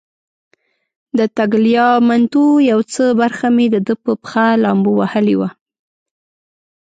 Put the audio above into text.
د تګلیامنتو یو څه برخه مې د ده په پښه لامبو وهلې وه.